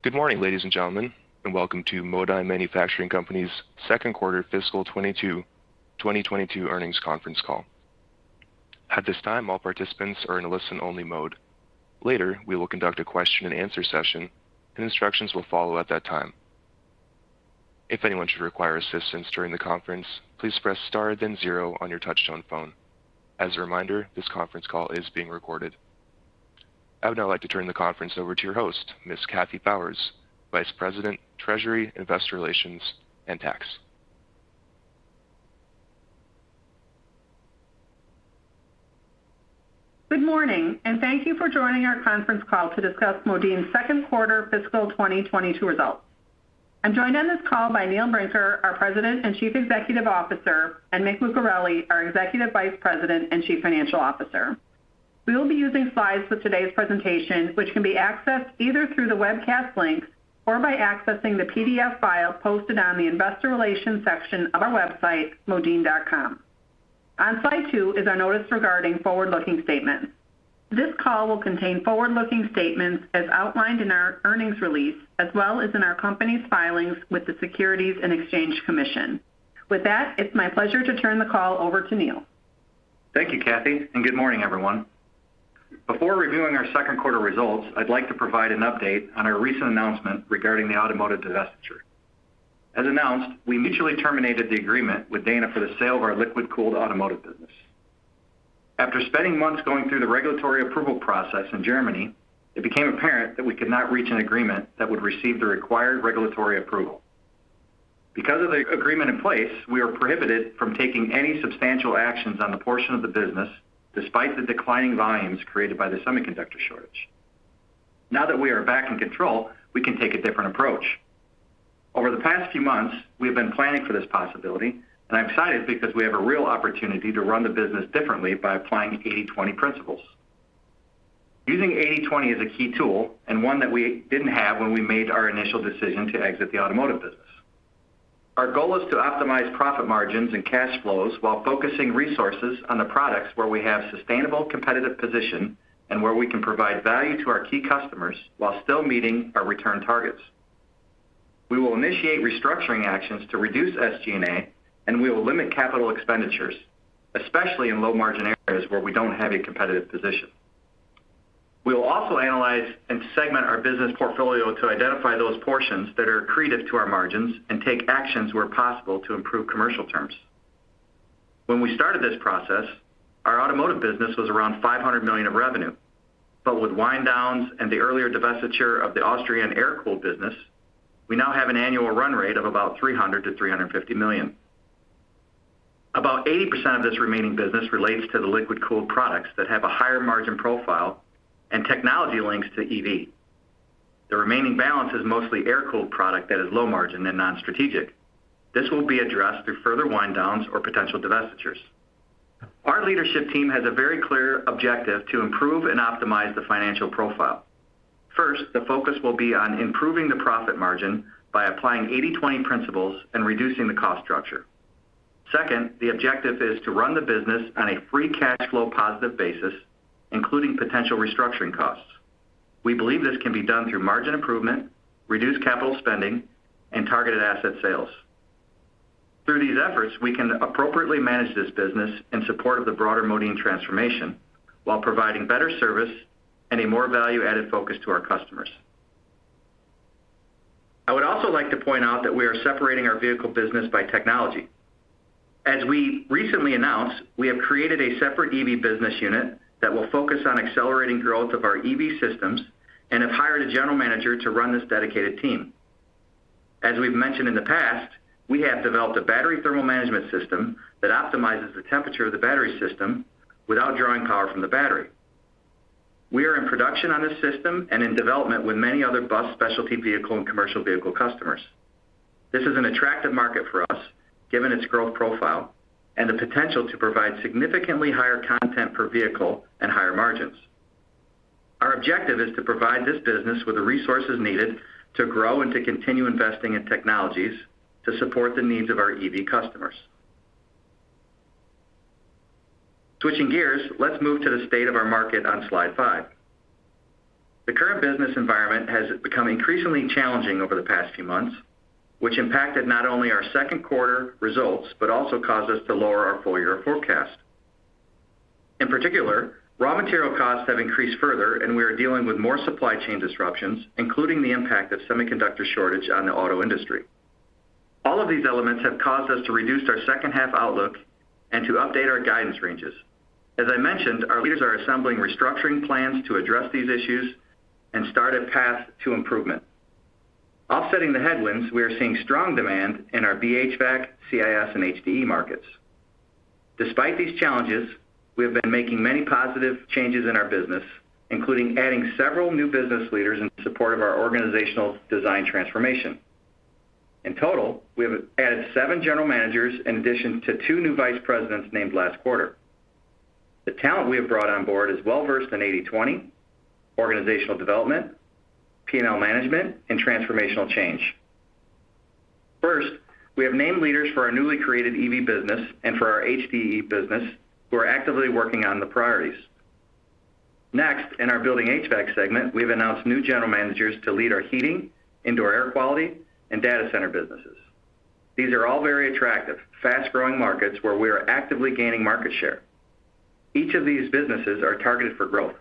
Good morning, ladies and gentlemen, and Welcome to Modine Manufacturing Company's Q2 Fiscal 2022 Earnings Conference Call. At this time, all participants are in a listen-only mode. Later, we will conduct a Q&A session, and instructions will follow at that time. If anyone should require assistance during the conference, please press star then zero on your touchtone phone. As a reminder, this conference call is being recorded. I would now like to turn the conference over to your host, Ms. Kathleen T.Powers, VP of Treasury, Investor Relations and Tax. Good morning, and thank you for joining our conference call to discuss Modine's Q2 fiscal 2022 results. I'm joined on this call by Neil Brinker, our President and CEO, and Mick Lucarelli, our EVP and CFO. We will be using slides for today's presentation, which can be accessed either through the webcast link or by accessing the PDF file posted on the Investor Relations section of our website, modine.com. On slide two is our notice regarding forward-looking statements. This call will contain forward-looking statements as outlined in our earnings release, as well as in our company's filings with the Securities and Exchange Commission. With that, it's my pleasure to turn the call over to Neil. Thank you, Kathleen, and good morning, everyone. Before reviewing our Q2 results, I'd like to provide an update on our recent announcement regarding the automotive divestiture. As announced, we mutually terminated the agreement with Dana for the sale of our liquid cooled automotive business. After spending months going through the regulatory approval process in Germany, it became apparent that we could not reach an agreement that would receive the required regulatory approval. Because of the agreement in place, we are prohibited from taking any substantial actions on the portion of the business despite the declining volumes created by the semiconductor shortage. Now that we are back in control, we can take a different approach. Over the past few months, we have been planning for this possibility, and I'm excited because we have a real opportunity to run the business differently by applying 80/20 principles. Using 80/20 is a key tool and one that we didn't have when we made our initial decision to exit the automotive business. Our goal is to optimize profit margins and cash flows while focusing resources on the products where we have sustainable competitive position and where we can provide value to our key customers while still meeting our return targets. We will initiate restructuring actions to reduce SG&A, and we will limit capital expenditures, especially in low margin areas where we don't have a competitive position. We will also analyze and segment our business portfolio to identify those portions that are accretive to our margins and take actions where possible to improve commercial terms. When we started this process, our automotive business was around $500 million of revenue. with wind downs and the earlier divestiture of the Austrian air-cooled business, we now have an annual run rate of about $300 to 350 million. About 80% of this remaining business relates to the liquid cooled products that have a higher margin profile and technology links to EV. The remaining balance is mostly air-cooled product that is low margin and non-strategic. This will be addressed through further wind downs or potential divestitures. Our leadership team has a very clear objective to improve and optimize the financial profile. First, the focus will be on improving the profit margin by applying 80/20 principles and reducing the cost structure. Second, the objective is to run the business on a free cash flow positive basis, including potential restructuring costs. We believe this can be done through margin improvement, reduced capital spending, and targeted asset sales. Through these efforts, we can appropriately manage this business in support of the broader Modine transformation while providing better service and a more value-added focus to our customers. I would also like to point out that we are separating our vehicle business by technology. As we recently announced, we have created a separate EV business unit that will focus on accelerating growth of our EV systems and have hired a general manager to run this dedicated team. As we've mentioned in the past, we have developed a battery thermal management system that optimizes the temperature of the battery system without drawing power from the battery. We are in production on this system and in development with many other bus specialty vehicle and commercial vehicle customers. This is an attractive market for us, given its growth profile and the potential to provide significantly higher content per vehicle and higher margins. Our objective is to provide this business with the resources needed to grow and to continue investing in technologies to support the needs of our EV customers. Switching gears, let's move to the state of our market on slide five. The current business environment has become increasingly challenging over the past few months, which impacted not only our Q2 results, but also caused us to lower our full year forecast. In particular, raw material costs have increased further, and we are dealing with more supply chain disruptions, including the impact of semiconductor shortage on the auto industry. All of these elements have caused us to reduce our H2 outlook and to update our guidance ranges. As I mentioned, our leaders are assembling restructuring plans to address these issues and start a path to improvement. Offsetting the headwinds, we are seeing strong demand in our HVAC, CIS, and HDE markets. Despite these challenges, we have been making many positive changes in our business, including adding several new business leaders in support of our organizational design transformation. In total, we have added seven general managers in addition to two new vice presidents named last quarter. The talent we have brought on board is well-versed in 80/20, organizational development, P&L management, and transformational change. First, we have named leaders for our newly created EV business and for our HDE business who are actively working on the priorities. Next, in our Building HVAC segment, we have announced new general managers to lead our heating, indoor air quality, and data center businesses. These are all very attractive, fast-growing markets where we are actively gaining market share. Each of these businesses are targeted for growth,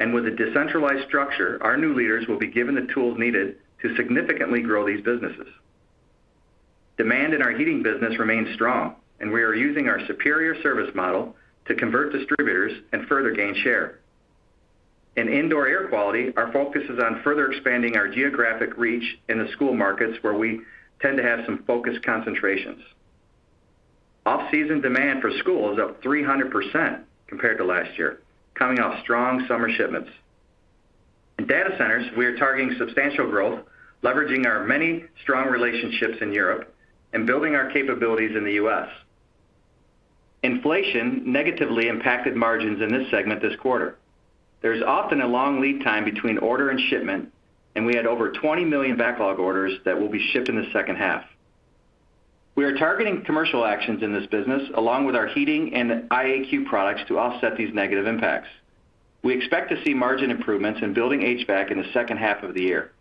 and with a decentralized structure, our new leaders will be given the tools needed to significantly grow these businesses. Demand in our heating business remains strong, and we are using our superior service model to convert distributors and further gain share. In indoor air quality, our focus is on further expanding our geographic reach in the school markets where we tend to have some focused concentrations. Off-season demand for school is up 300% compared to last year, coming off strong summer shipments. In data centers, we are targeting substantial growth, leveraging our many strong relationships in Europe and building our capabilities in the U.S. Inflation negatively impacted margins in this segment this quarter. There is often a long lead time between order and shipment, and we had over $20 million backlog orders that will be shipped in the H2. We are targeting commercial actions in this business along with our heating and IAQ products to offset these negative impacts. We expect to see margin improvements in Building HVAC in the H2 of the year.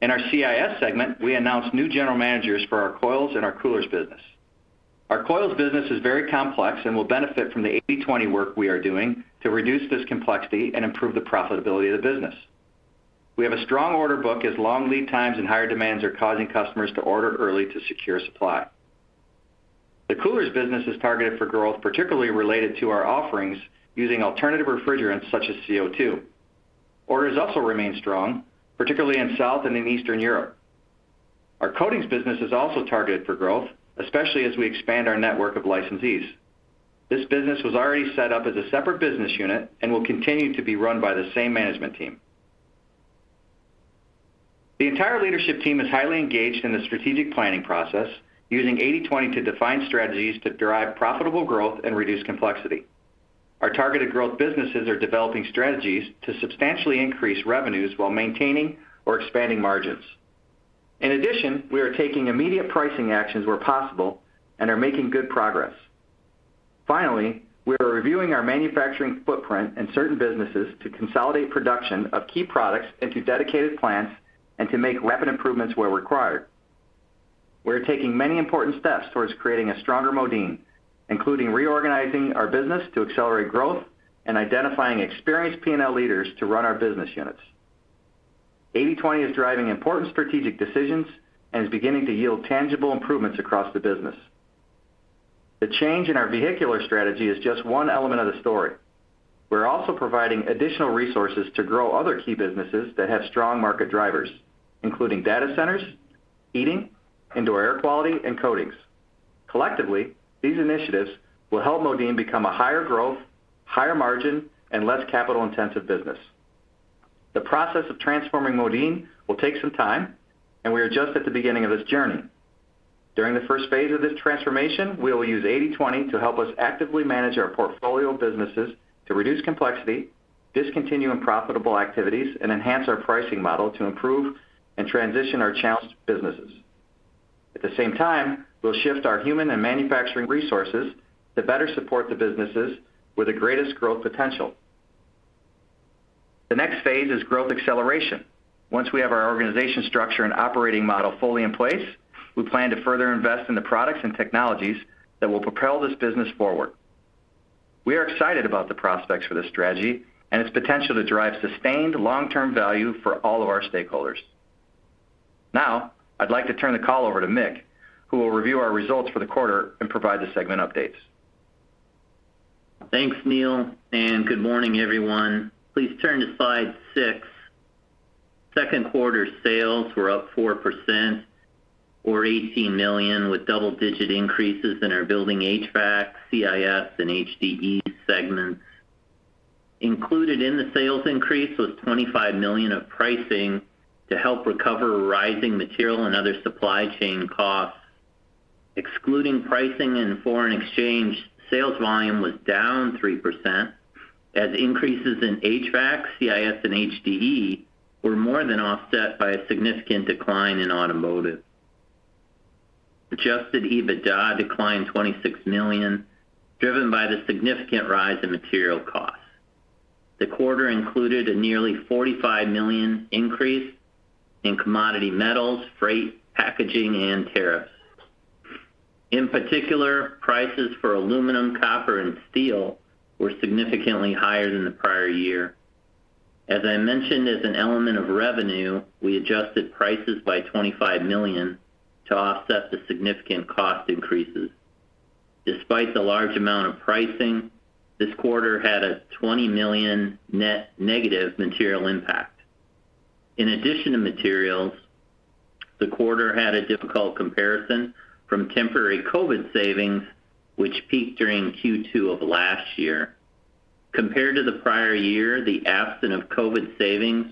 In our CIS segment, we announced new general managers for our coils and our coolers business. Our coils business is very complex and will benefit from the 80/20 work we are doing to reduce this complexity and improve the profitability of the business. We have a strong order book as long lead times and higher demands are causing customers to order early to secure supply. The coolers business is targeted for growth, particularly related to our offerings using alternative refrigerants such as CO2. Orders also remain strong, particularly in South and in Eastern Europe. Our coatings business is also targeted for growth, especially as we expand our network of licensees. This business was already set up as a separate business unit and will continue to be run by the same management team. The entire leadership team is highly engaged in the strategic planning process, using 80/20 to define strategies to derive profitable growth and reduce complexity. Our targeted growth businesses are developing strategies to substantially increase revenues while maintaining or expanding margins. In addition, we are taking immediate pricing actions where possible and are making good progress. Finally, we are reviewing our manufacturing footprint in certain businesses to consolidate production of key products into dedicated plants and to make rapid improvements where required. We are taking many important steps towards creating a stronger Modine, including reorganizing our business to accelerate growth and identifying experienced P&L leaders to run our business units. 80/20 is driving important strategic decisions and is beginning to yield tangible improvements across the business. The change in our vehicular strategy is just one element of the story. We're also providing additional resources to grow other key businesses that have strong market drivers, including data centers, heating, indoor air quality, and coatings. Collectively, these initiatives will help Modine become a higher growth, higher margin, and less capital-intensive business. The process of transforming Modine will take some time, and we are just at the beginning of this journey. During the first phase of this transformation, we will use 80/20 to help us actively manage our portfolio of businesses to reduce complexity, discontinue unprofitable activities, and enhance our pricing model to improve and transition our challenged businesses. At the same time, we'll shift our human and manufacturing resources to better support the businesses with the greatest growth potential. The next phase is growth acceleration. Once we have our organization structure and operating model fully in place, we plan to further invest in the products and technologies that will propel this business forward. We are excited about the prospects for this strategy and its potential to drive sustained long-term value for all of our stakeholders. Now, I'd like to turn the call over to Mick, who will review our results for the quarter and provide the segment updates. Thanks, Neil, and good morning, everyone. Please turn to slide six. Q2 sales were up 4% or $18 million with double-digit increases in our Building HVAC, CIS, and HDE segments. Included in the sales increase was $25 million of pricing to help recover rising material and other supply chain costs. Excluding pricing and foreign exchange, sales volume was down 3% as increases in HVAC, CIS, and HDE were more than offset by a significant decline in automotive. Adjusted EBITDA declined $26 million, driven by the significant rise in material costs. The quarter included a nearly $45 million increase in commodity metals, freight, packaging and tariffs. In particular, prices for aluminum, copper and steel were significantly higher than the prior year. As I mentioned as an element of revenue, we adjusted prices by $25 million to offset the significant cost increases. Despite the large amount of pricing, this quarter had a $20 million net negative material impact. In addition to materials, the quarter had a difficult comparison from temporary COVID savings, which peaked during Q2 of last year. Compared to the prior year, the absence of COVID savings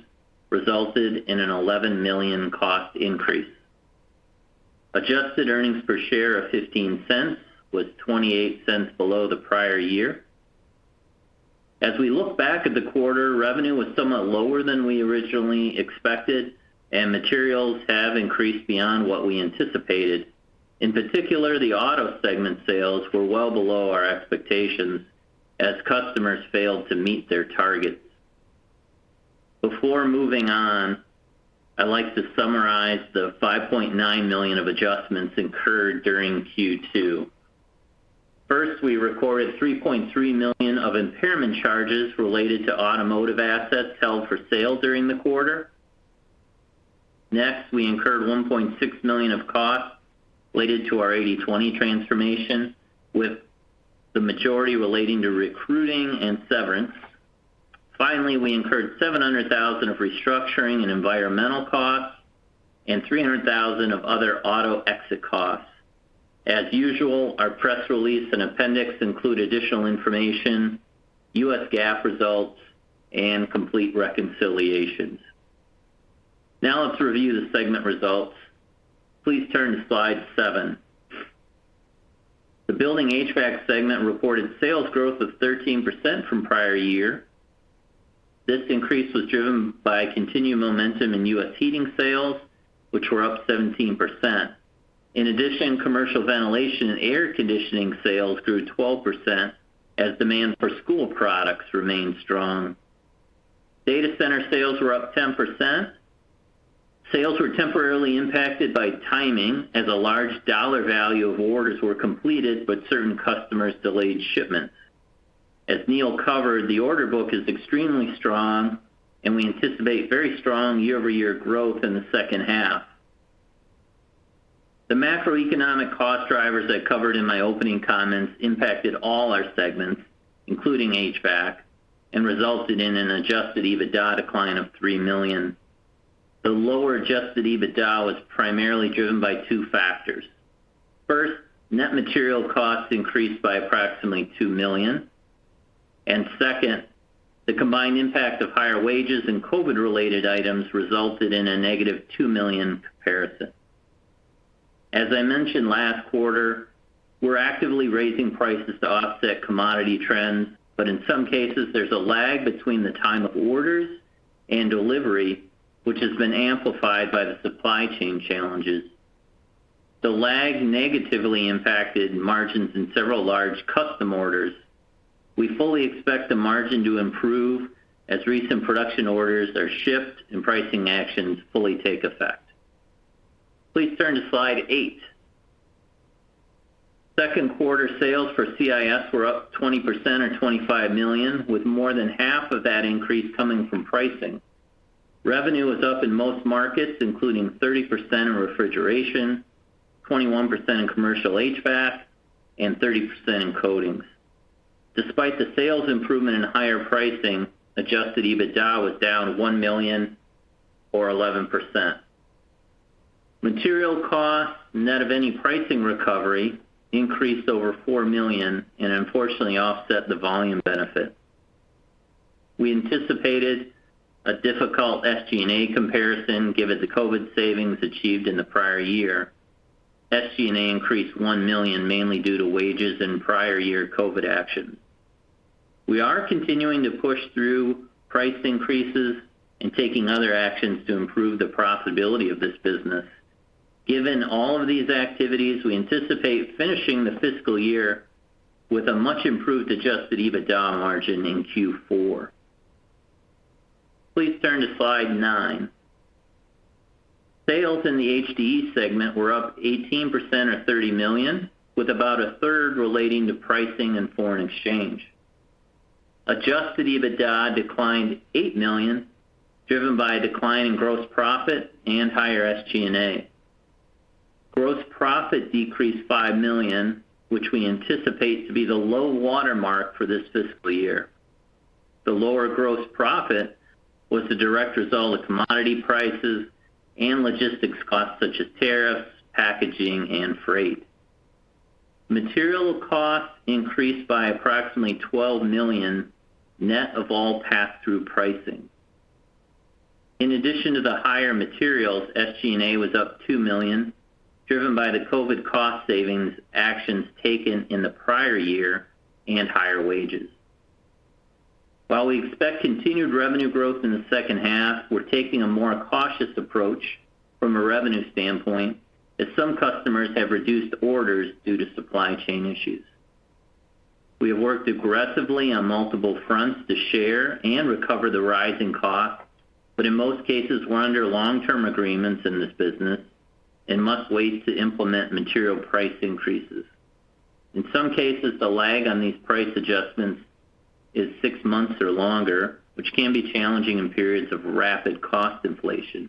resulted in an $11 million cost increase. Adjusted earnings per share of $0.15 was $0.28 below the prior year. As we look back at the quarter, revenue was somewhat lower than we originally expected and materials have increased beyond what we anticipated. In particular, the auto segment sales were well below our expectations as customers failed to meet their targets. Before moving on, I'd like to summarize the $5.9 million of adjustments incurred during Q2. First, we recorded $3.3 million of impairment charges related to automotive assets held for sale during the quarter. Next, we incurred $1.6 million of costs related to our 80/20 transformation, with the majority relating to recruiting and severance. Finally, we incurred $700,000 of restructuring and environmental costs and $300,000 of other auto exit costs. As usual, our press release and appendix include additional information, U.S. GAAP results, and complete reconciliations. Now let's review the segment results. Please turn to slide seven. The Building HVAC segment reported sales growth of 13% from prior year. This increase was driven by continued momentum in U.S. heating sales, which were up 17%. In addition, commercial ventilation and air conditioning sales grew 12% as demand for school products remained strong. Data center sales were up 10%. Sales were temporarily impacted by timing as a large dollar value of orders were completed, but certain customers delayed shipments. As Neil covered, the order book is extremely strong and we anticipate very strong YoY growth in the H2. The macroeconomic cost drivers I covered in my opening comments impacted all our segments, including HVAC, and resulted in an adjusted EBITDA decline of $3 million. The lower adjusted EBITDA was primarily driven by two factors. First, net material costs increased by approximately $2 million. Second, the combined impact of higher wages and COVID-related items resulted in a negative $2 million comparison. As I mentioned last quarter, we're actively raising prices to offset commodity trends, but in some cases, there's a lag between the time of orders and delivery, which has been amplified by the supply chain challenges. The lag negatively impacted margins in several large custom orders. We fully expect the margin to improve as recent production orders are shipped and pricing actions fully take effect. Please turn to slide eight. Q2 sales for CIS were up 20% or $25 million, with more than half of that increase coming from pricing. Revenue was up in most markets, including 30% in refrigeration, 21% in commercial HVAC, and 30% in coatings. Despite the sales improvement and higher pricing, adjusted EBITDA was down $1 million or 11%. Material costs, net of any pricing recovery, increased over $4 million and unfortunately offset the volume benefit. We anticipated a difficult SG&A comparison given the COVID savings achieved in the prior year. SG&A increased $1 million mainly due to wages and prior year COVID actions. We are continuing to push through price increases and taking other actions to improve the profitability of this business. Given all of these activities, we anticipate finishing the fiscal year with a much improved adjusted EBITDA margin in Q4. Please turn to slide nine. Sales in the HDE segment were up 18% or $30 million, with about a 1/3 relating to pricing and foreign exchange. Adjusted EBITDA declined $8 million, driven by a decline in gross profit and higher SG&A. Gross profit decreased $5 million, which we anticipate to be the low watermark for this fiscal year. The lower gross profit was the direct result of commodity prices and logistics costs such as tariffs, packaging and freight. Material costs increased by approximately $12 million, net of all pass-through pricing. In addition to the higher materials, SG&A was up $2 million, driven by the COVID cost savings actions taken in the prior year and higher wages. While we expect continued revenue growth in the H2, we're taking a more cautious approach from a revenue standpoint as some customers have reduced orders due to supply chain issues. We have worked aggressively on multiple fronts to share and recover the rising costs, but in most cases, we're under long-term agreements in this business and must wait to implement material price increases. In some cases, the lag on these price adjustments is six months or longer, which can be challenging in periods of rapid cost inflation.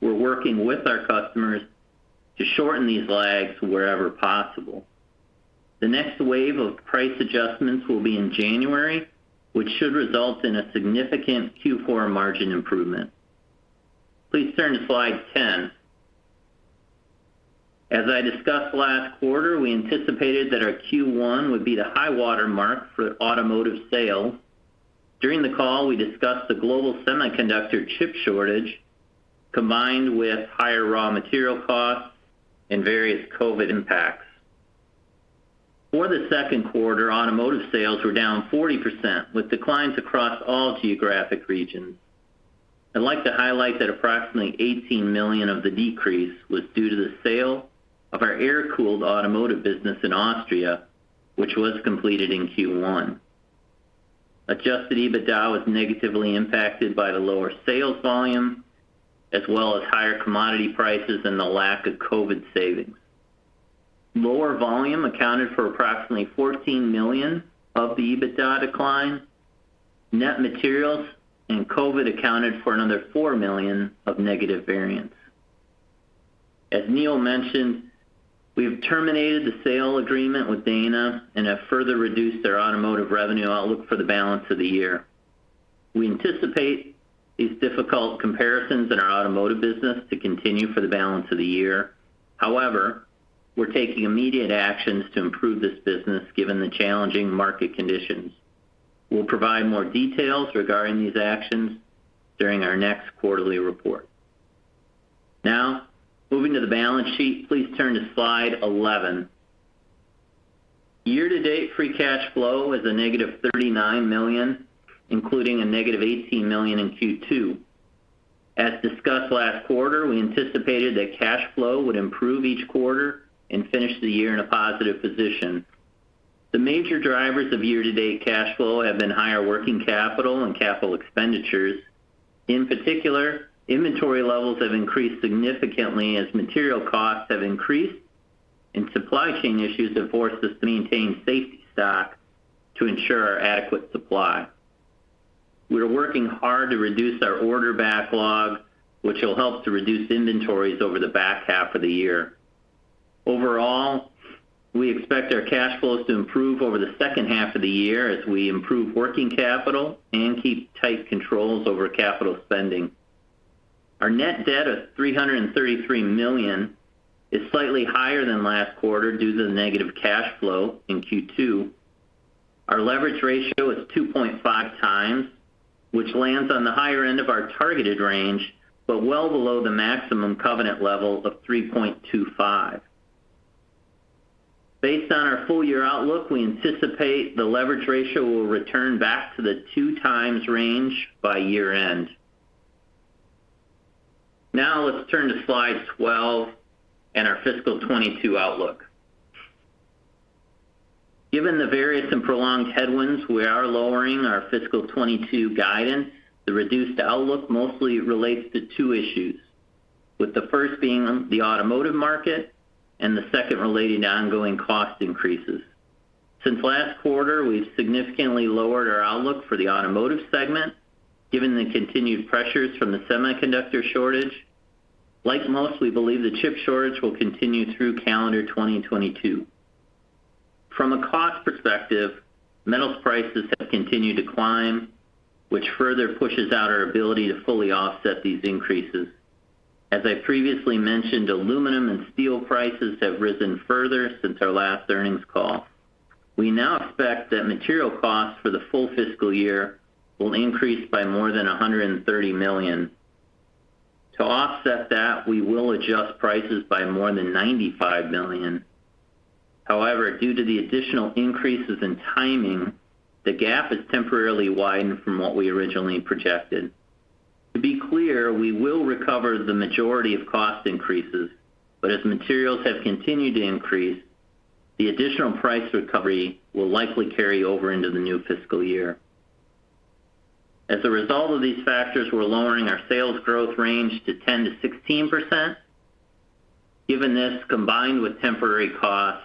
We're working with our customers to shorten these lags wherever possible. The next wave of price adjustments will be in January, which should result in a significant Q4 margin improvement. Please turn to slide 10. As I discussed last quarter, we anticipated that our Q1 would be the high water mark for automotive sales. During the call, we discussed the global semiconductor chip shortage combined with higher raw material costs and various COVID impacts. For the Q2, automotive sales were down 40%, with declines across all geographic regions. I'd like to highlight that approximately $18 million of the decrease was due to the sale of our air-cooled automotive business in Austria, which was completed in Q1. Adjusted EBITDA was negatively impacted by the lower sales volume as well as higher commodity prices and the lack of COVID savings. Lower volume accounted for approximately $14 million of the EBITDA decline. Net materials and COVID accounted for another $4 million of negative variance. As Neil mentioned, we have terminated the sale agreement with Dana and have further reduced their automotive revenue outlook for the balance of the year. We anticipate these difficult comparisons in our automotive business to continue for the balance of the year. However, we're taking immediate actions to improve this business given the challenging market conditions. We'll provide more details regarding these actions during our next quarterly report. Now, moving to the balance sheet, please turn to slide 11. Year-to-date free cash flow is a negative $39 million, including a negative $18 million in Q2. As discussed last quarter, we anticipated that cash flow would improve each quarter and finish the year in a positive position. The major drivers of year-to-date cash flow have been higher working capital and capital expenditures. In particular, inventory levels have increased significantly as material costs have increased, and supply chain issues have forced us to maintain safety stock to ensure our adequate supply. We are working hard to reduce our order backlog, which will help to reduce inventories over the back half of the year. Overall, we expect our cash flows to improve over the H2 of the year as we improve working capital and keep tight controls over capital spending. Our net debt of $333 million is slightly higher than last quarter due to the negative cash flow in Q2. Our leverage ratio is 2.5x, which lands on the higher end of our targeted range, but well below the maximum covenant level of 3.25. Based on our full year outlook, we anticipate the leverage ratio will return back to the 2x range by year-end. Now, let's turn to slide 12 and our fiscal 2022 outlook. Given the various and prolonged headwinds, we are lowering our fiscal 2022 guidance. The reduced outlook mostly relates to two issues, with the first being the automotive market and the second relating to ongoing cost increases. Since last quarter, we've significantly lowered our outlook for the automotive segment, given the continued pressures from the semiconductor shortage. Like most, we believe the chip shortage will continue through calendar 2022. From a cost perspective, metals prices have continued to climb, which further pushes out our ability to fully offset these increases. As I previously mentioned, aluminum and steel prices have risen further since our last earnings call. We now expect that material costs for the full fiscal year will increase by more than $130 million. To offset that, we will adjust prices by more than $95 million. However, due to the additional increases in timing, the gap has temporarily widened from what we originally projected. To be clear, we will recover the majority of cost increases, but as materials have continued to increase, the additional price recovery will likely carry over into the new fiscal year. As a result of these factors, we're lowering our sales growth range to 10% to 16%. Given this, combined with temporary costs,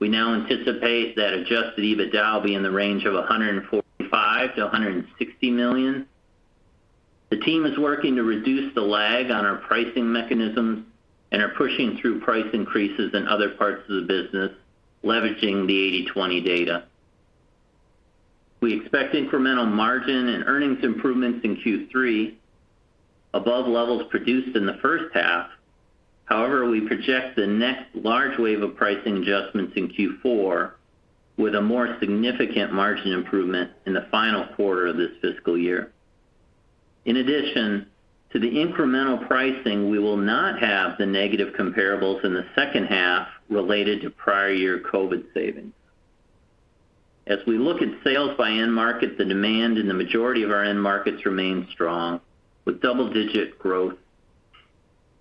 we now anticipate that adjusted EBITDA will be in the range of $145 to 160 million. The team is working to reduce the lag on our pricing mechanisms and are pushing through price increases in other parts of the business, leveraging the 80/20 data. We expect incremental margin and earnings improvements in Q3 above levels produced in the H1. However, we project the next large wave of pricing adjustments in Q4 with a more significant margin improvement in the final quarter of this fiscal year. In addition to the incremental pricing, we will not have the negative comparables in the H2 related to prior year COVID savings. As we look at sales by end market, the demand in the majority of our end markets remains strong, with double-digit growth.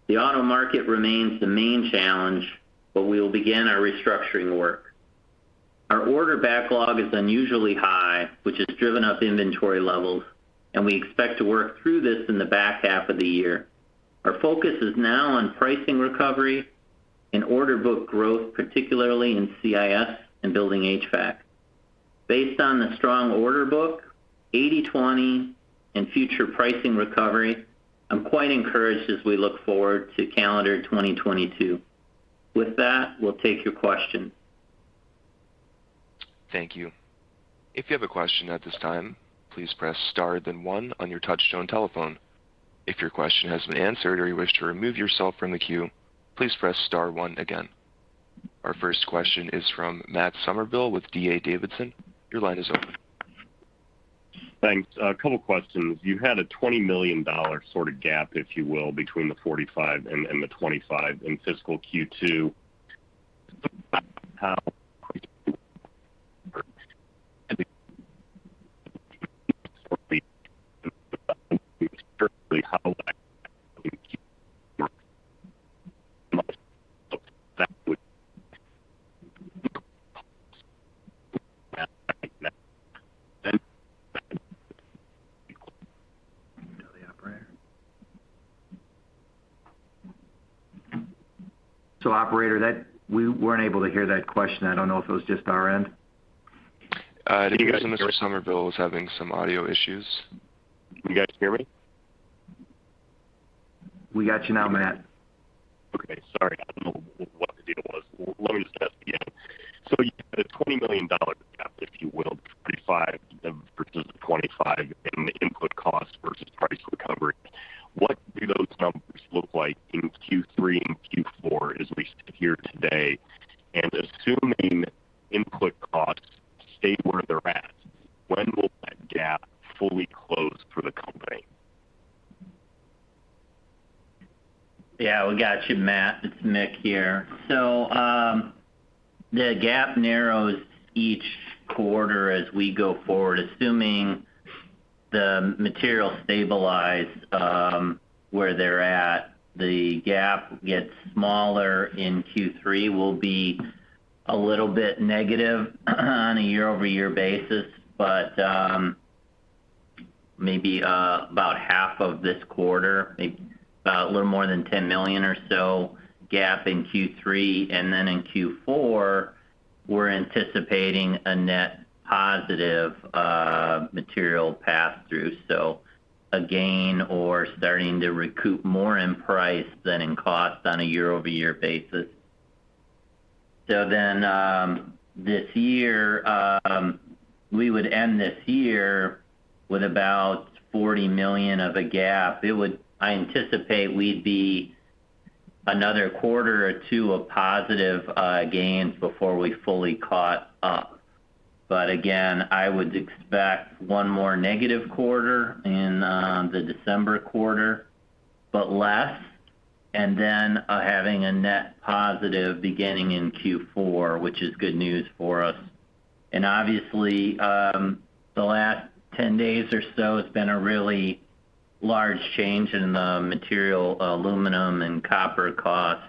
The auto market remains the main challenge, but we will begin our restructuring work. Our order backlog is unusually high, which has driven up inventory levels, and we expect to work through this in the back half of the year. Our focus is now on pricing recovery and order book growth, particularly in CIS and Building HVAC. Based on the strong order book, 80/20 and future pricing recovery, I'm quite encouraged as we look forward to calendar 2022. With that, we'll take your questions. Thank you. If you have a question at this time, please press star then one on your touchtone telephone. If your question has been answered or you wish to remove yourself from the queue, please press star one again. Our first question is from Matt Summerville with D.A. Davidson. Your line is open. Thanks. A couple questions. You had a $20 million sort of gap, if you will, between the $45 million and the $25 million in fiscal Q2. Can you hear the operator? Operator, that we weren't able to hear that question. I don't know if it was just our end. It seems Mr. Summerville was having some audio issues. Can you guys hear me? We got you now, Matt. Okay. Sorry, I don't know what the deal was. Let me just ask again. You had a $20 million gap, if you will, 25 versus the 25 in the input cost versus price recovery. What do those numbers look like in Q3 and Q4 as we sit here today? Assuming input costs stay where they're at, when will that gap fully close for the company? Yeah, we got you, Matt. It's Mick here. The gap narrows each quarter as we go forward, assuming the materials stabilize where they're at. The gap gets smaller in Q3, will be a little bit negative on a year-over-year basis, but maybe about half of this quarter, about a little more than $10 million or so gap in Q3. In Q4, we're anticipating a net positive material pass-through, so a gain or starting to recoup more in price than in cost on a YoY basis. This year, we would end this year with about $40 million of a gap. I anticipate we'd be another quarter or two of positive gains before we fully caught up. Again, I would expect one more negative quarter in the December quarter, but less, and then having a net positive beginning in Q4, which is good news for us. Obviously, the last 10 days or so has been a really large change in the material, aluminum and copper costs.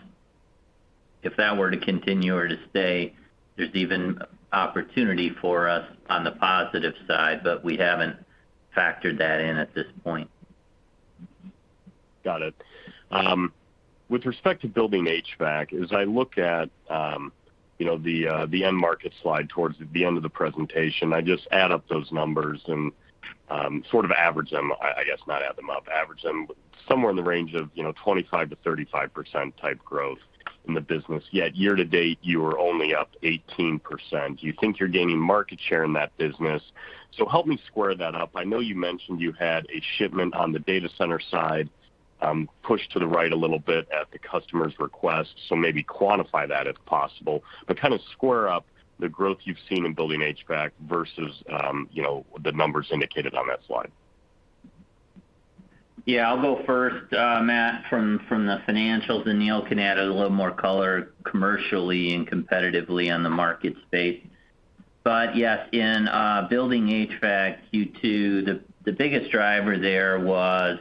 If that were to continue or to stay, there's even opportunity for us on the positive side, but we haven't factored that in at this point. Got it. With respect to Building HVAC, as I look at you know the end market slide towards the end of the presentation, I just sort of average them, I guess. Somewhere in the range of you know 25% to 35% type growth in the business. Yet year-to-date, you are only up 18%. Do you think you're gaining market share in that business? Help me square that up. I know you mentioned you had a shipment on the data center side pushed to the right a little bit at the customer's request, so maybe quantify that if possible. But kind of square up the growth you've seen in Building HVAC versus the numbers indicated on that slide. Yeah, I'll go first, Matt, from the financials, then Neil can add a little more color commercially and competitively on the market space. Yes, in Building HVAC, Q2, the biggest driver there was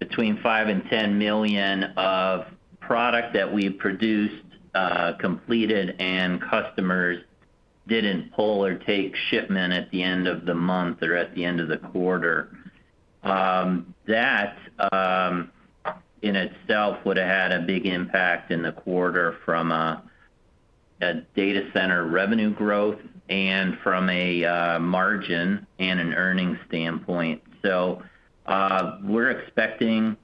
between $5 to 10 million of product that we produced, completed, and customers didn't pull or take shipment at the end of the month or at the end of the quarter. That in itself would've had a big impact in the quarter from a data center revenue growth and from a margin and an earnings standpoint. We're expecting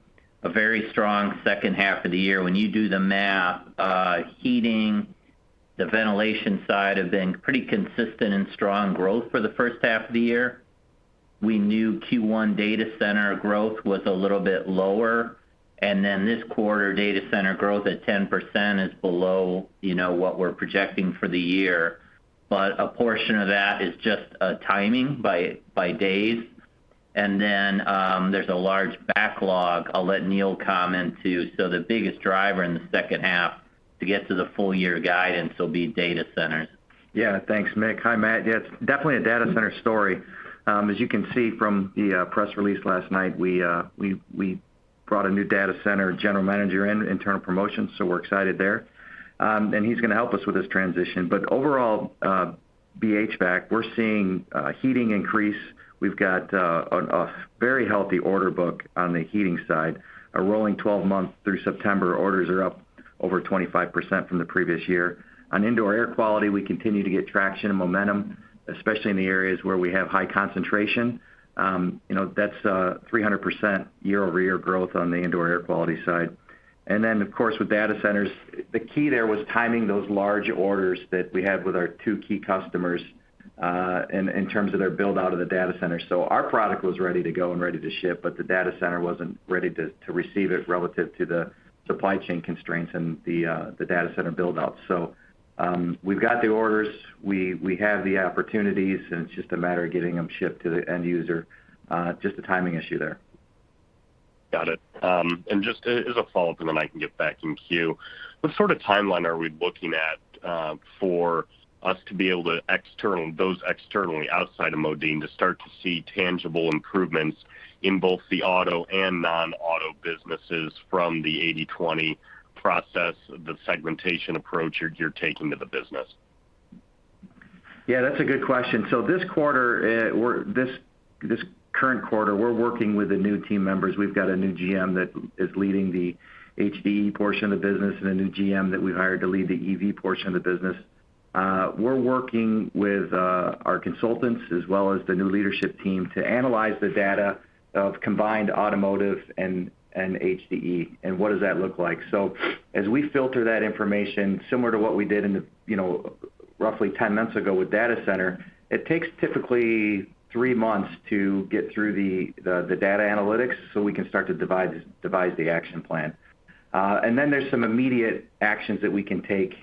a very strong H2 of the year. When you do the math, heating, the ventilation side have been pretty consistent and strong growth for the first half of the year. We knew Q1 data center growth was a little bit lower, and then this quarter, data center growth at 10% is below, you know, what we're projecting for the year. A portion of that is just timing by days. There's a large backlog. I'll let Neil comment too. The biggest driver in the H2 to get to the full year guidance will be data centers. Yeah. Thanks, Mick. Hi, Matt. Yeah, it's definitely a data center story. As you can see from the press release last night, we brought a new data center general manager in, internal promotion, so we're excited there. He's gonna help us with this transition. Overall, BHVAC, we're seeing heating increase. We've got a very healthy order book on the heating side. A rolling 12-month through September, orders are up over 25% from the previous year. On indoor air quality, we continue to get traction and momentum, especially in the areas where we have high concentration. You know, that's 300% YoY growth on the indoor air quality side. Of course, with data centers, the key there was timing those large orders that we had with our two key customers in terms of their build-out of the data center. Our product was ready to go and ready to ship, but the data center wasn't ready to receive it relative to the supply chain constraints and the data center build out. We've got the orders, we have the opportunities, and it's just a matter of getting them shipped to the end user. Just a timing issue there. Got it. Just as a follow-up and then I can get back in queue. What sort of timeline are we looking at for those externally outside of Modine to start to see tangible improvements in both the auto and non-auto businesses from the 80/20 process, the segmentation approach you're taking to the business? Yeah, that's a good question. This current quarter, we're working with the new team members. We've got a new GM that is leading the HDE portion of the business and a new GM that we hired to lead the EV portion of the business. We're working with our consultants as well as the new leadership team to analyze the data of combined automotive and HDE, and what does that look like. As we filter that information, similar to what we did in the you know, roughly 10 months ago with data center, it takes typically three months to get through the data analytics, so we can start to devise the action plan. Then there's some immediate actions that we can take,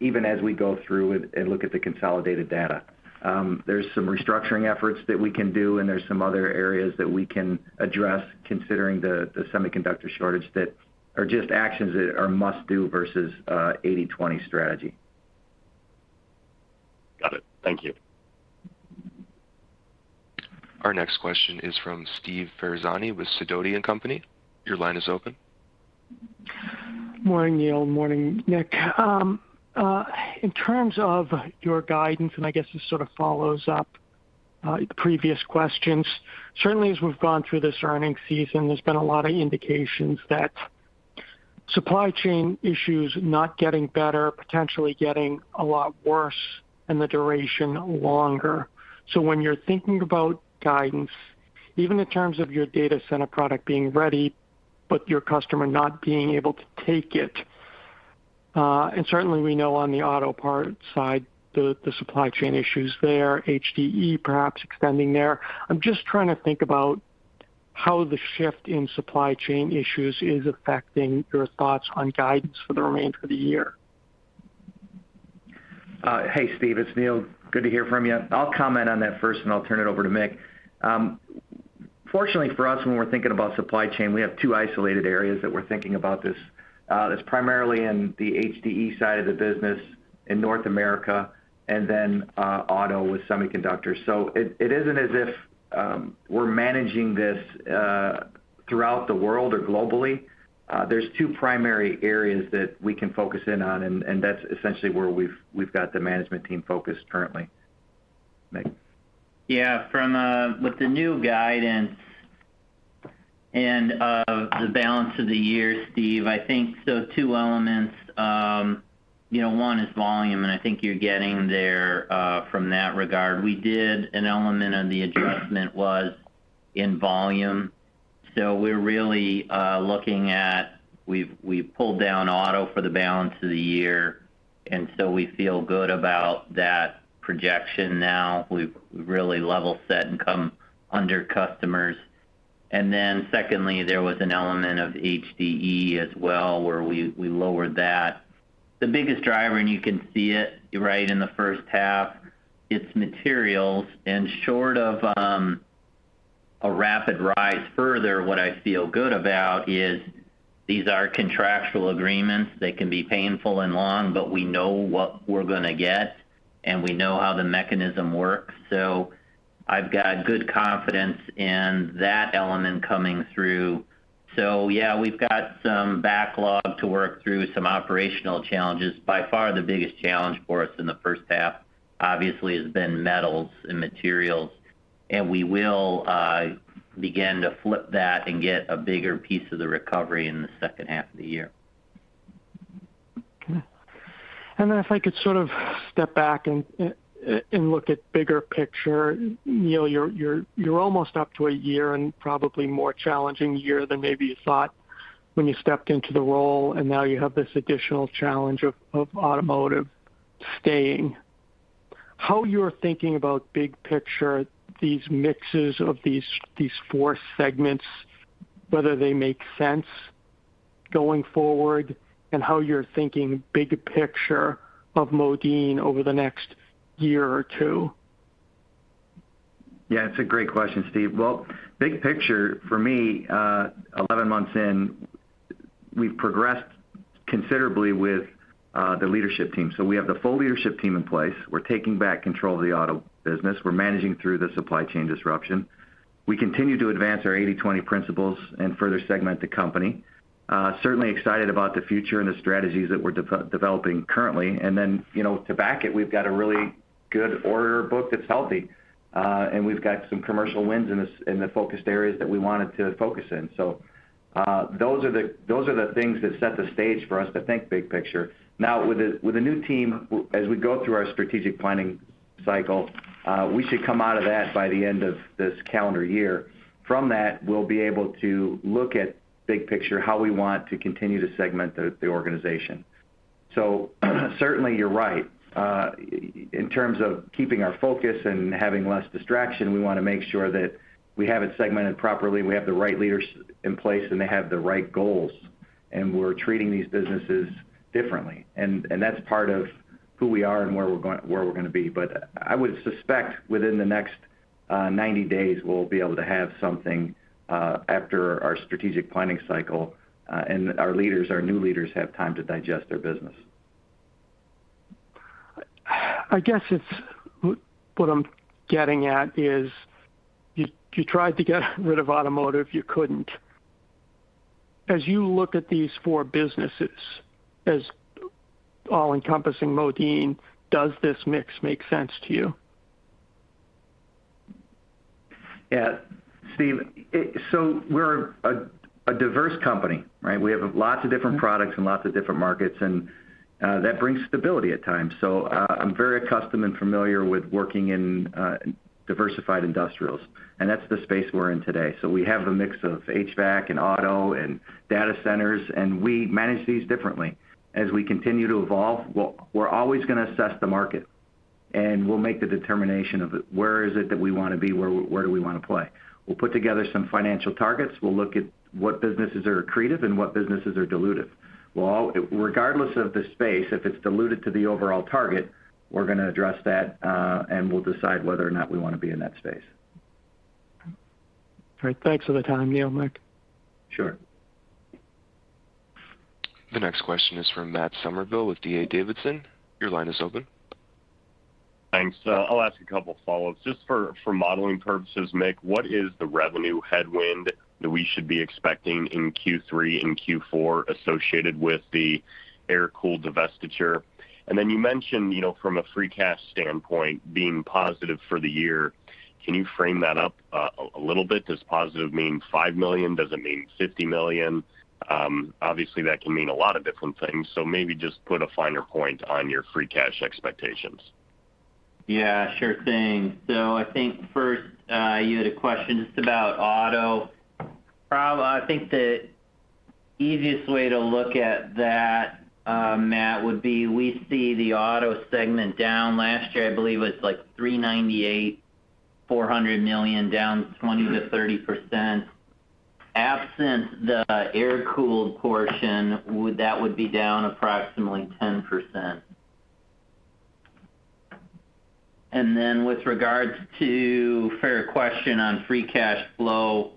even as we go through it and look at the consolidated data. There's some restructuring efforts that we can do, and there's some other areas that we can address considering the semiconductor shortage that are just actions that are must-do versus 80/20 strategy. Got it. Thank you. Our next question is from Steve Ferazani with Sidoti & Company, LLC. Your line is open. Morning, Neil. Morning, Mick. In terms of your guidance, and I guess this sort of follows up previous questions. Certainly, as we've gone through this earnings season, there's been a lot of indications that supply chain issues not getting better, potentially getting a lot worse, and the duration longer. When you're thinking about guidance, even in terms of your data center product being ready, but your customer not being able to take it, and certainly we know on the auto part side, the supply chain issues there, HDE perhaps extending there. I'm just trying to think about how the shift in supply chain issues is affecting your thoughts on guidance for the remainder of the year. Hey, Steve. It's Neil. Good to hear from you. I'll comment on that first, and I'll turn it over to Mick. Fortunately for us, when we're thinking about supply chain, we have two isolated areas that we're thinking about this. That's primarily in the HDE side of the business in North America and then auto with semiconductors. It isn't as if we're managing this throughout the world or globally. There's two primary areas that we can focus in on, and that's essentially where we've got the management team focused currently. Mick? Yeah. With the new guidance and the balance of the year, Steve, I think the two elements, you know, one is volume, and I think you're getting there from that regard. We did an element of the adjustment was in volume. We're really looking at we've pulled down auto for the balance of the year, and we feel good about that projection now. We've really level set and come under customers. Then secondly, there was an element of HDE as well, where we lowered that. The biggest driver, and you can see it right in the H1, it's materials. Short of a rapid rise further, what I feel good about is these are contractual agreements. They can be painful and long, but we know what we're gonna get, and we know how the mechanism works. I've got good confidence in that element coming through. Yeah, we've got some backlog to work through, some operational challenges. By far, the biggest challenge for us in the H1 obviously has been metals and materials. We will begin to flip that and get a bigger piece of the recovery in the H2 of the year. If I could sort of step back and look at bigger picture. Neil, you're almost up to a year and probably more challenging year than maybe you thought when you stepped into the role, and now you have this additional challenge of automotive softening. How are you thinking about big picture, these mixes of these four segments, whether they make sense going forward and how you're thinking big picture of Modine over the next year or two? Yeah, it's a great question, Steve. Well, big picture for me, 11 months in, we've progressed considerably with the leadership team. We have the full leadership team in place. We're taking back control of the auto business. We're managing through the supply chain disruption. We continue to advance our 80/20 principles and further segment the company. Certainly excited about the future and the strategies that we're developing currently. Then, you know, to back it, we've got a really good order book that's healthy, and we've got some commercial wins in this, in the focused areas that we wanted to focus in. Those are the things that set the stage for us to think big picture. Now with a new team, as we go through our strategic planning cycle, we should come out of that by the end of this calendar year. From that, we'll be able to look at big picture, how we want to continue to segment the organization. Certainly you're right. In terms of keeping our focus and having less distraction, we wanna make sure that we have it segmented properly, we have the right leaders in place, and they have the right goals. We're treating these businesses differently. That's part of who we are and where we're going, where we're gonna be. I would suspect within the next 90 days, we'll be able to have something after our strategic planning cycle, and our leaders, our new leaders have time to digest their business. I guess it's what I'm getting at is you tried to get rid of automotive, you couldn't. As you look at these four businesses as all-encompassing Modine, does this mix make sense to you? Yeah. Steve, we're a diverse company, right? We have lots of different products and lots of different markets, and that brings stability at times. I'm very accustomed and familiar with working in diversified industrials, and that's the space we're in today. We have the mix of HVAC and auto and data centers, and we manage these differently. As we continue to evolve, we're always gonna assess the market, and we'll make the determination of where is it that we wanna be, where do we wanna play. We'll put together some financial targets. We'll look at what businesses are accretive and what businesses are dilutive. Regardless of the space, if it's diluted to the overall target, we're gonna address that, and we'll decide whether or not we wanna be in that space. All right. Thanks for the time, Neil, Mick. Sure. The next question is from Matt Summerville with D.A. Davidson. Your line is open. Thanks. I'll ask a couple of follow-ups. Just for modeling purposes, Mick, what is the revenue headwind that we should be expecting in Q3 and Q4 associated with the air-cooled divestiture? And then you mentioned, you know, from a free cash standpoint, being positive for the year. Can you frame that up a little bit? Does positive mean $5 million? Does it mean $50 million? Obviously, that can mean a lot of different things. Maybe just put a finer point on your free cash expectations. Yeah, sure thing. I think first you had a question just about auto. I think the easiest way to look at that, Matt, would be we see the auto segment down. Last year, I believe it was like $398 to 400 million, down 20% to 30%. Absent the air-cooled portion, that would be down approximately 10%. With regards to fair question on free cash flow,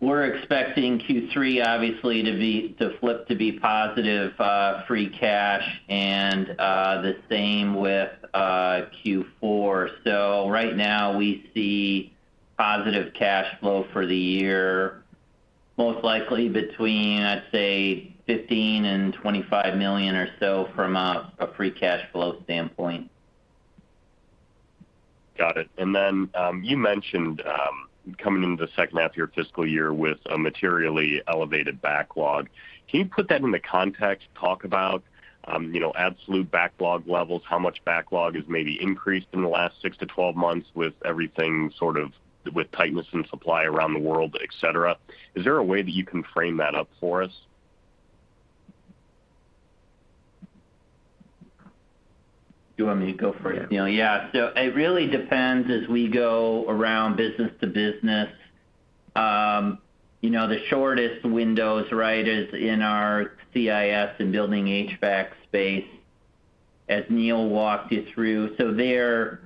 we're expecting Q3, obviously, to flip to be positive free cash and the same with Q4. Right now we see positive cash flow for the year, most likely between, I'd say, $15 to 25 million or so from a free cash flow standpoint. Got it. You mentioned coming into the H2 of your fiscal year with a materially elevated backlog. Can you put that into context, talk about, you know, absolute backlog levels, how much backlog has maybe increased in the last six to 12 months with everything sort of with tightness in supply around the world, et cetera? Is there a way that you can frame that up for us? Do you want me to go for it, Neil? Yeah. Yeah. It really depends as we go around business to business. You know, the shortest window is in our CIS and Building HVAC space as Neil walked you through. There,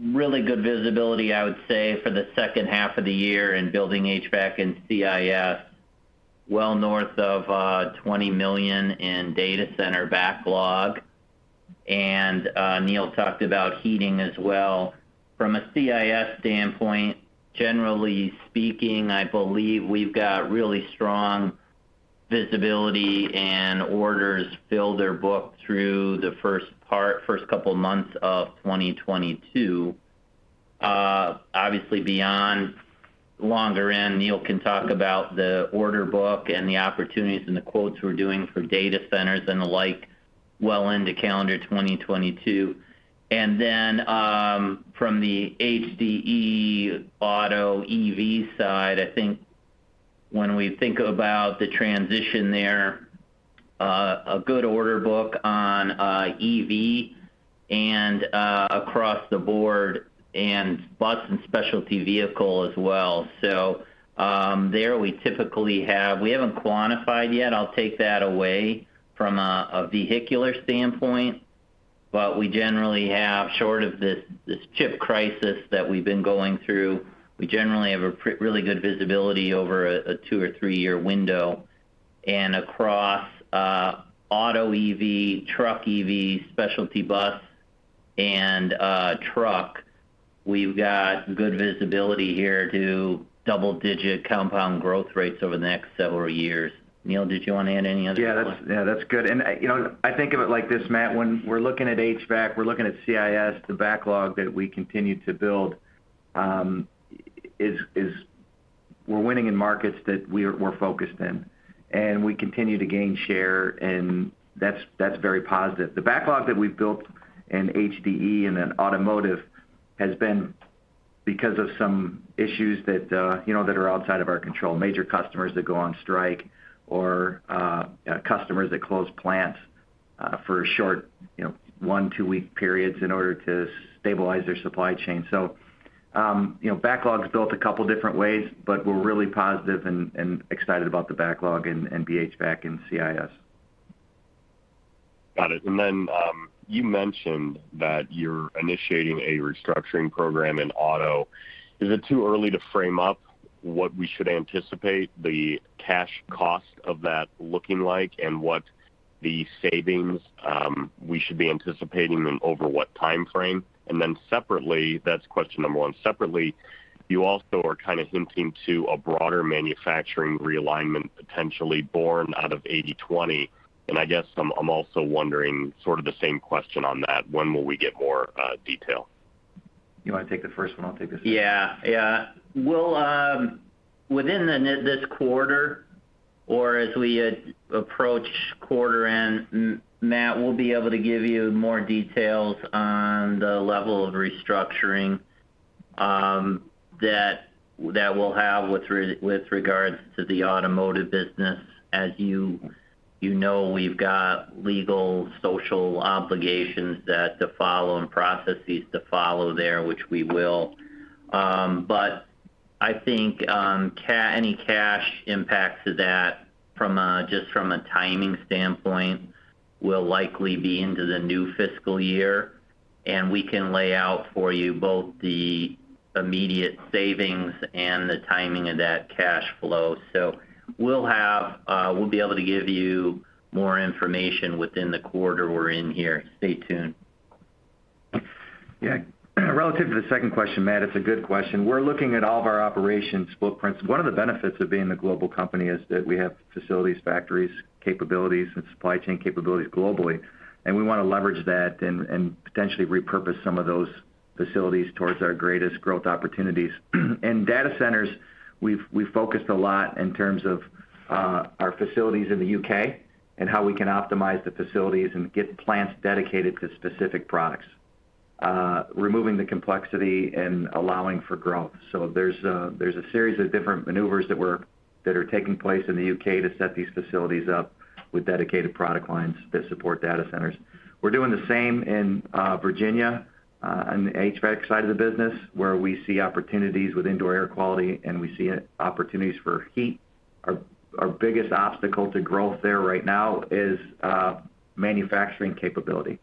really good visibility, I would say, for the H2 of the year in Building HVAC and CIS, well north of $20 million in data center backlog. Neil talked about heating as well. From a CIS standpoint, generally speaking, I believe we've got really strong visibility and orders fill their book through the first couple of months of 2022. Obviously beyond longer in, Neil can talk about the order book and the opportunities and the quotes we're doing for data centers and the like well into calendar 2022. From the HDE auto EV side, I think when we think about the transition there, a good order book on EV and across the board and bus and specialty vehicle as well. There we typically have. We haven't quantified yet. I'll take that away from a vehicular standpoint. But we generally have short of this chip crisis that we've been going through, we generally have a really good visibility over a two- or three-year window. And across auto EV, truck EV, specialty bus, and truck, we've got good visibility here to double-digit compound growth rates over the next several years. Neil, did you want to add any other thoughts? Yeah, that's good. I think of it like this, Matt, when we're looking at HVAC, we're looking at CIS, the backlog that we continue to build is we're winning in markets that we're focused in, and we continue to gain share, and that's very positive. The backlog that we've built in HDE and in automotive has been because of some issues that are outside of our control, major customers that go on strike or customers that close plants for a short one, two-week periods in order to stabilize their supply chain. Backlog's built a couple different ways, but we're really positive and excited about the backlog in HVAC and CIS. Got it. Then you mentioned that you're initiating a restructuring program in auto. Is it too early to frame up what we should anticipate the cash cost of that looking like and what the savings we should be anticipating and over what timeframe? Then separately—that's question number one. Separately, you also are kind of hinting to a broader manufacturing realignment potentially born out of 80/20, and I guess I'm also wondering sort of the same question on that. When will we get more detail? You wanna take the first one? I'll take the second. We'll within this quarter or as we approach quarter end, Matt, we'll be able to give you more details on the level of restructuring that we'll have with regards to the automotive business. As you know, we've got legal and social obligations to follow and processes to follow there, which we will. I think any cash impacts from that just from a timing standpoint will likely be into the new fiscal year, and we can lay out for you both the immediate savings and the timing of that cash flow. We'll be able to give you more information within the quarter we're in here. Stay tuned. Yeah. Relative to the second question, Matt, it's a good question. We're looking at all of our operational footprints. One of the benefits of being a global company is that we have facilities, factories, capabilities and supply chain capabilities globally, and we wanna leverage that and potentially repurpose some of those facilities towards our greatest growth opportunities. Data centers, we've focused a lot in terms of our facilities in the U.K. and how we can optimize the facilities and get plants dedicated to specific products, removing the complexity and allowing for growth. There's a series of different maneuvers that are taking place in the U.K. to set these facilities up with dedicated product lines that support data centers. We're doing the same in Virginia on the HVAC side of the business, where we see opportunities with indoor air quality, and we see opportunities for heat. Our biggest obstacle to growth there right now is manufacturing capability.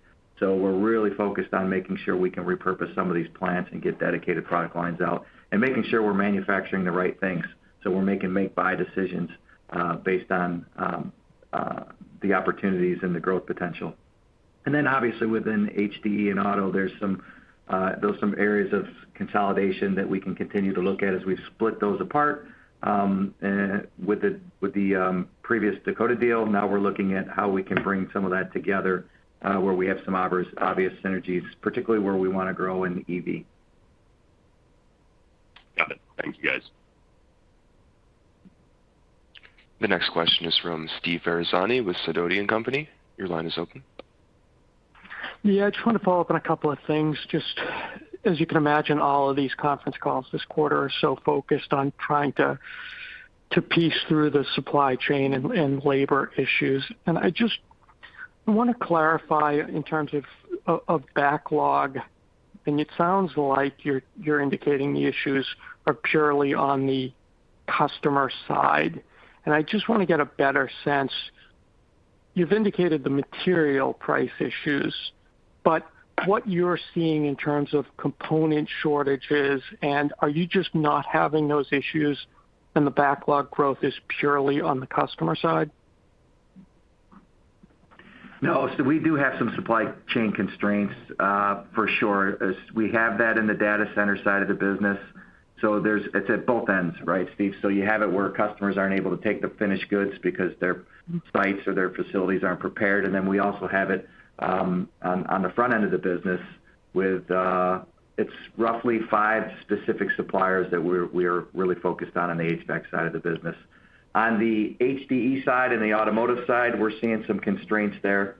We're really focused on making sure we can repurpose some of these plants and get dedicated product lines out and making sure we're manufacturing the right things, so we're making make-buy decisions based on the opportunities and the growth potential. Then obviously within HDE and auto, there's some areas of consolidation that we can continue to look at as we split those apart. With the previous Dakota deal, now we're looking at how we can bring some of that together, where we have some obvious synergies, particularly where we wanna grow in EV. Got it. Thank you, guys. The next question is from Steve Ferazani with Sidoti & Company, LLC. Your line is open. Yeah, I just want to follow up on a couple of things. Just as you can imagine, all of these conference calls this quarter are so focused on trying to piece through the supply chain and labor issues. I just want to clarify in terms of backlog, and it sounds like you're indicating the issues are purely on the customer side. I just want to get a better sense. You've indicated the material price issues, but what you're seeing in terms of component shortages and are you just not having those issues and the backlog growth is purely on the customer side? No, Steve, we do have some supply chain constraints, for sure. We have that in the data center side of the business. It's at both ends, right, Steve? You have it where customers aren't able to take the finished goods because their sites or their facilities aren't prepared. We also have it on the front end of the business with it's roughly five specific suppliers that we're really focused on the HVAC side of the business. On the HDE side and the automotive side, we're seeing some constraints there.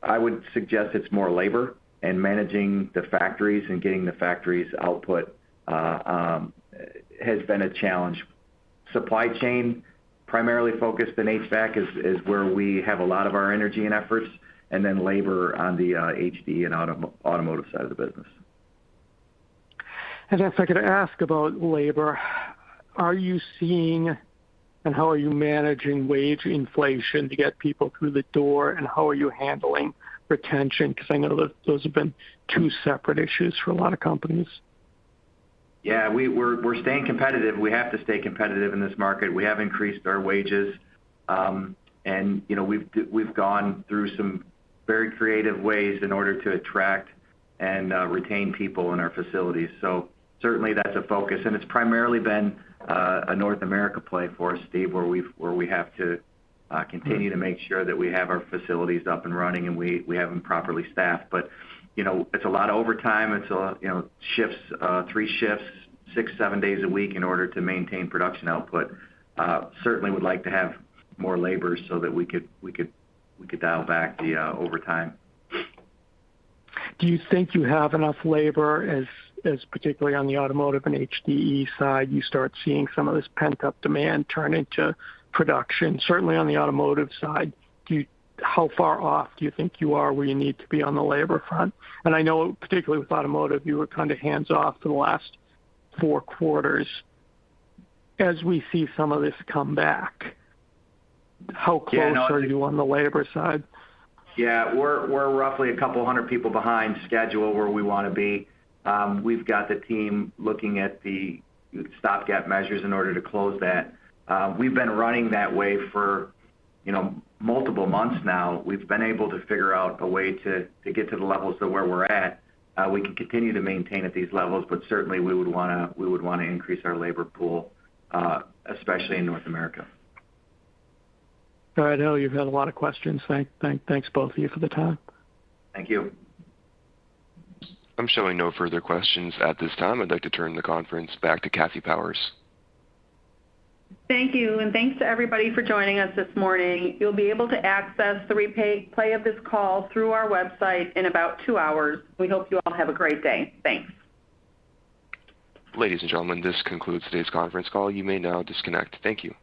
I would suggest it's more labor and managing the factories and getting the factories' output has been a challenge. Supply chain primarily focused in HVAC is where we have a lot of our energy and efforts and then labor on the HD and automotive side of the business. If I could ask about labor, are you seeing and how are you managing wage inflation to get people through the door? How are you handling retention? Because I know those have been two separate issues for a lot of companies. Yeah. We're staying competitive. We have to stay competitive in this market. We have increased our wages, and, you know, we've gone through some very creative ways in order to attract and retain people in our facilities. Certainly that's a focus. It's primarily been a North America play for us, Steve, where we have to continue to make sure that we have our facilities up and running and we have them properly staffed. You know, it's a lot of overtime. It's a lot, you know, shifts, three shifts, six to seven days a week in order to maintain production output. Certainly would like to have more labor so that we could dial back the overtime. Do you think you have enough labor as particularly on the automotive and HDE side, you start seeing some of this pent-up demand turn into production? Certainly on the automotive side, how far off do you think you are where you need to be on the labor front? I know particularly with automotive, you were kind of hands-off for the last four quarters. As we see some of this come back, how close are you on the labor front? Yeah. We're roughly couple of hundred people behind schedule where we wanna be. We've got the team looking at the stopgap measures in order to close that. We've been running that way for, you know, multiple months now. We've been able to figure out a way to get to the levels of where we're at. We can continue to maintain at these levels, but certainly we would wanna increase our labor pool, especially in North America. All right. I know you've had a lot of questions. Thanks both of you for the time. Thank you. I'm showing no further questions at this time. I'd like to turn the conference back to Kathleen T. Powers. Thank you. Thanks to everybody for joining us this morning. You'll be able to access the replay of this call through our website in about two hours. We hope you all have a great day. Thanks. Ladies and gentlemen, this concludes today's conference call. You may now disconnect. Thank you.